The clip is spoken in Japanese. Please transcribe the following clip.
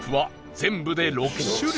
全部で６種類